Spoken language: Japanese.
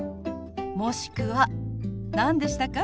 もしくは何でしたか？